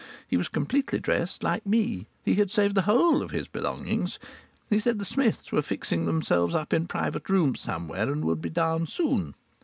He was completely dressed, like me. He had saved the whole of his belongings. He said the Smiths were fixing themselves up in private rooms somewhere, and would be down soon.